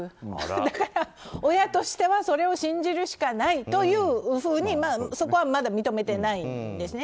だから親としては、それを信じるしかないというふうにそこはまだ認めてないんですね。